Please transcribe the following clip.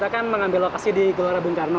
jadi kami memasuki tempat di gelora bung karno